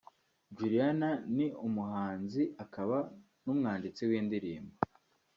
Juliana ni umuhanzi akaba n’umwanditsi w’indirimbo